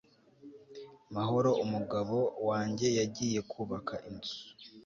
mahoro umugabo wange yagiye kubaka inzu